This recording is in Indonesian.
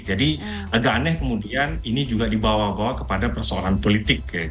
jadi agak aneh kemudian ini juga dibawa bawa kepada persoalan politik